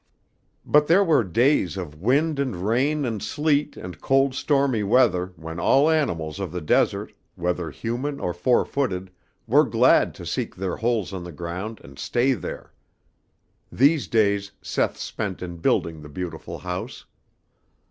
But there were days of wind and rain and sleet and cold stormy weather when all animals of the desert, whether human or four footed, were glad to seek their holes in the ground and stay there. These days Seth spent in building the beautiful house.